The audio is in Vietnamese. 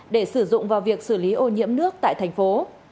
để sử dụng vào việc xử lý ô nhiễm nước tại thành phố